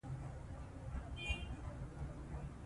په افغانستان کې د ژبې منابع شته.